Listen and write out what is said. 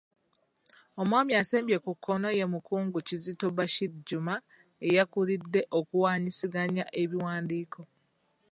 Omwami asembye ku kkono ye Mukungu Kizito Bashir Juma eyakulidde okuwaanyisiganya ebiwandiiko.